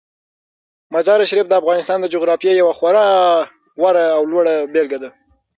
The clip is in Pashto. مزارشریف د افغانستان د جغرافیې یوه خورا غوره او لوړه بېلګه ده.